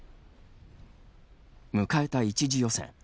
迎えた１次予選。